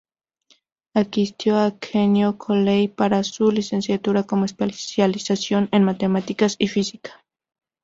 Asistió a Kenyon College para su licenciatura, con especialización en matemáticas y física.